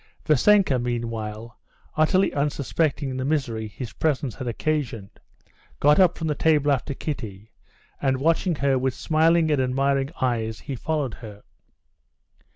Vassenka meanwhile, utterly unsuspecting the misery his presence had occasioned, got up from the table after Kitty, and watching her with smiling and admiring eyes, he followed her.